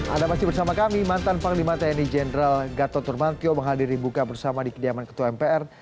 anda masih bersama kami mantan panglima tni jenderal gatot nurmantio menghadiri buka bersama di kediaman ketua mpr